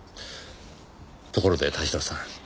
ところで田代さん。